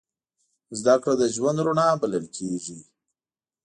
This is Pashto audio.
زدهکړه د ژوند رڼا بلل کېږي.